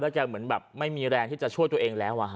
แกเหมือนแบบไม่มีแรงที่จะช่วยตัวเองแล้ว